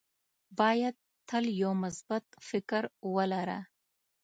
باید تل یو مثبت فکر ولره.